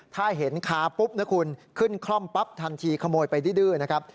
ถ้าเห็นคาปุ๊บนะคุณขึ้นคล่อมปั๊บทันทีขโมยไปดื้อนะครับ